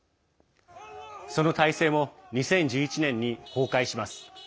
その体制も２０１１年に崩壊します。